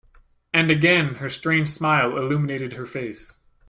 And again her strange smile illuminated her face.